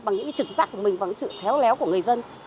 bằng những trực giác của mình bằng những sự khéo léo của người dân